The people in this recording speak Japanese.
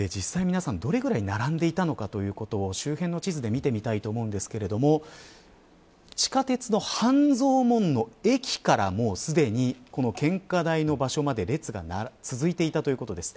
実際、皆さんどれぐらい並んでいたのかということを周辺の地図で見ていきたいと思いますけれども地下鉄の半蔵門の駅からもうすでに献花台の場所まで列が続いていたということです。